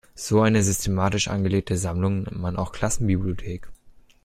So eine systematisch angelegte Sammlung nennt man auch Klassenbibliothek.